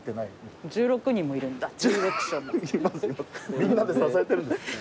みんなで支えてるんです。